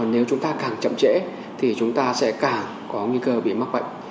nếu chúng ta càng chậm trễ thì chúng ta sẽ càng có nguy cơ bị mắc bệnh